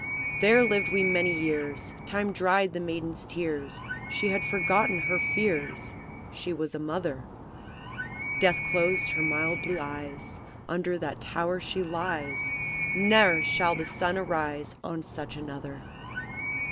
"There lived we many years; Time dried the maiden's tears; She had forgot her fears, She was a mother; Death closed her mild blue eyes; Under that tower she lies; Ne'er shall the sun arise On such another.